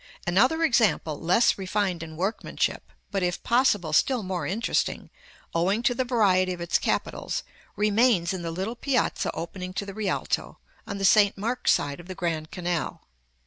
Another example, less refined in workmanship, but, if possible, still more interesting, owing to the variety of its capitals, remains in the little piazza opening to the Rialto, on the St. Mark's side of the Grand Canal.